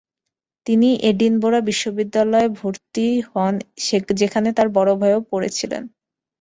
তিনি এডিনবরা বিশ্ববিদ্যালয়ে ভর্তি হন যেখানে তার বড় ভাইও পড়েছিলেন।